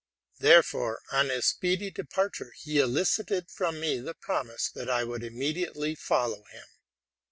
Therefore, on his _ speedy departure, he elicited from me the promise that I would immediately follow him.